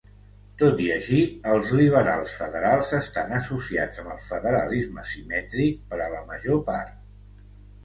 Tot i així, els liberals federals estan associats amb el federalisme simètric per a la major part.